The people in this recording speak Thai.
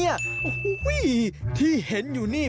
โอ้โหที่เห็นอยู่นี่